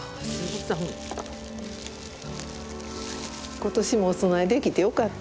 今年もお供えできてよかった。